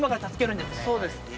そうです。